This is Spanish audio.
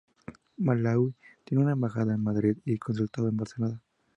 Malaui tiene una embajada en Madrid y consulado en Barcelona.